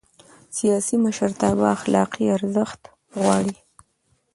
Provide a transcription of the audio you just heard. سیاسي مشرتابه اخلاقي ارزښت غواړي